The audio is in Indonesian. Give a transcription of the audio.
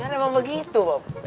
ya memang begitu bob